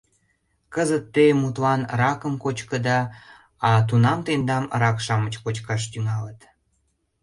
Кызыт те, мутлан, ракым кочкыда, а тунам тендам рак-шамыч кочкаш тӱҥалыт...